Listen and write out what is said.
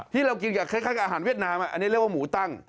ที่เรากินกับคล้ายกับอาหารเวียดนามอันนี้เรียกว่าหมูตั้ง